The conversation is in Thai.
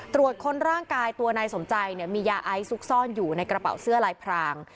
ตรวจค้นร่างกายตัวนายสมใจเนี่ยมียาไอซุกซ่อนอยู่ในกระเป๋าเสื้อลายพราง